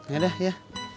ya dah ya